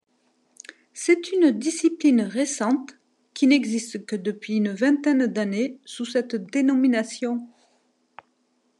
C'est une discipline récente, qui n'existe que depuis une vingtaine d'années sous cette dénomination.